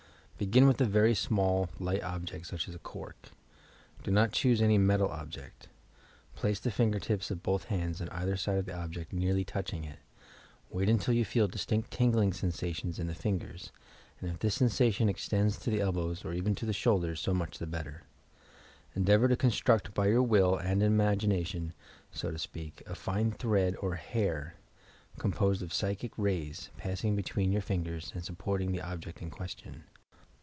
Begin with a very small, light object, such as a cork. Do not choose any metal ob ject. Place the finper tips of both hands on either side of the object, nearly touching it. Wait until you feel distinct tingling sensations in the fingers, and if this sensation extends to the elbows, or even to the shoulders, so much the better, Endeavour to construct by ymir will and in imagination, so to speak, a fine thread or hair, composed of psychic rays, passing between your fingers and supporting the object in question.